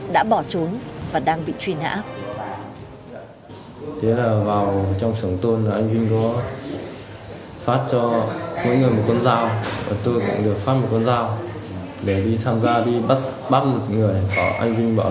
đã bỏ trốn và đang bị truy nã